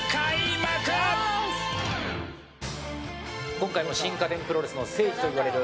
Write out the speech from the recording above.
今回も新家電プロレスの聖地といわれる